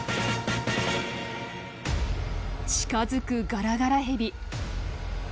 近づくガラガラヘビ。